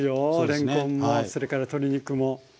れんこんもそれから鶏肉も。